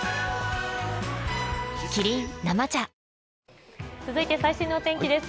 キリン「生茶」続いて最新のお天気です。